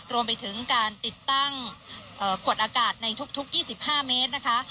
รวมไปถึงการติดตั้งกดอากาศในทุก๒๕เมตรนะคะ